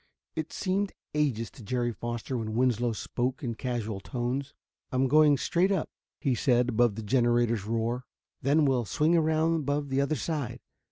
It seemed ages to Jerry Foster when Winslow spoke in casual tones. "I'm going straight up," he said, above the generator's roar. "Then we'll swing around above the other side.